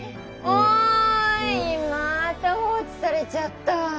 おいまた放置されちゃった。